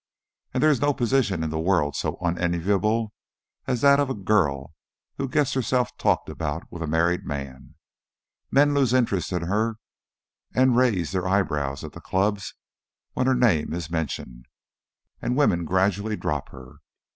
And there is no position in the world so unenviable as that of a girl who gets herself talked about with a married man. Men lose interest in her and raise their eyebrows at the clubs when her name is mentioned, and women gradually drop her.